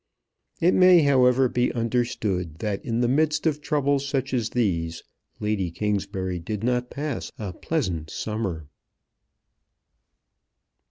It may, however, be understood that in the midst of troubles such as these Lady Kingsbury did not pass a pleasant summer.